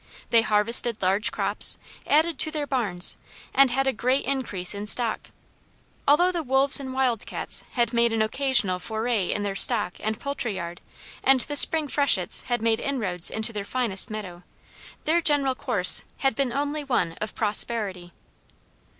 They harvested large crops, added to their barns, and had a great increase in stock. Although the wolves and wild cats had made an occasional foray in their stock and poultry yard and the spring freshets had made inroads into their finest meadow, their general course had been only one of prosperity.